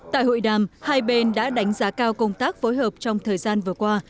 tại hội đàm hai bên đã đánh giá cao công tác phối hợp trong thời gian vừa qua